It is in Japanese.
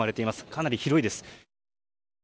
かなり広いです。